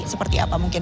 seperti apa mungkin